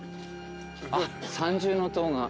あっ三重塔が。